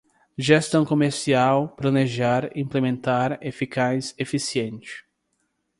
gestão comercial, planejar, implementar, eficaz, eficiente